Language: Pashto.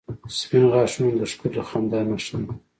• سپین غاښونه د ښکلي خندا نښه ده.